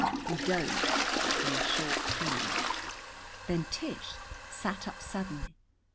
We dozed for a short time. Then Tish sat up suddenly.